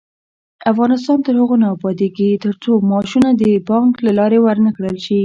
افغانستان تر هغو نه ابادیږي، ترڅو معاشونه د بانک له لارې ورنکړل شي.